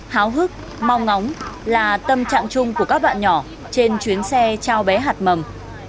háo hức mong ngóng là tâm trạng chung của các bạn nhỏ trên chuyến xe trao bé hạt mầm